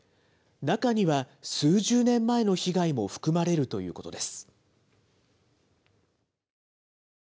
中には数十年前の被害も含まれるということです。